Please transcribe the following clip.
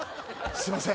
すいません